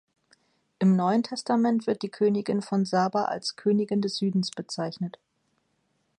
Im Neuen Testament wird die Königin von Saba als „Königin des Südens“ bezeichnet.